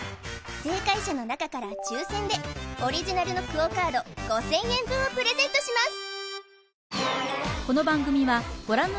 正解者の中から抽選でオリジナルのＱＵＯカード５０００円分をプレゼントします